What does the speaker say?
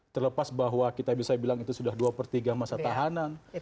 terlepas bahwa kita bisa bilang itu sudah dua per tiga masa tahanan